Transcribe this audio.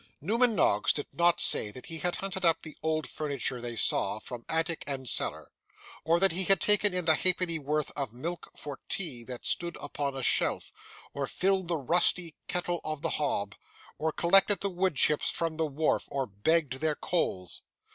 Newman Noggs did not say that he had hunted up the old furniture they saw, from attic and cellar; or that he had taken in the halfpennyworth of milk for tea that stood upon a shelf, or filled the rusty kettle on the hob, or collected the woodchips from the wharf, or begged the coals.